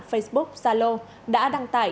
facebook zalo đã đăng tải